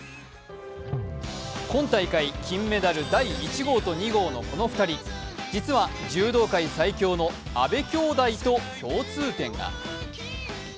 今大会金メダル第１号と２号のこの２人、実は柔道界最強の阿部きょうだいと共通点が。